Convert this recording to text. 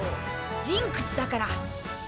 ジンクスだから。